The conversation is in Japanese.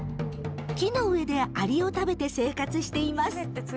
木の上でアリを食べて生活しています。